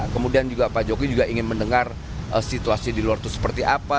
kemudian juga pak jokowi juga ingin mendengar situasi di luar itu seperti apa